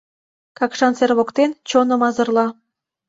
...Какшан сер воктен, чоным азырла